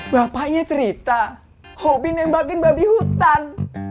bapaknya cerita hobi nembakin babi hutan